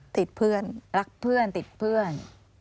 ติดเพื่อนรักเพื่อนติดเพื่อน